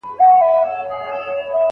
- علی حیدر لهیب، شاعر او څيړونکی.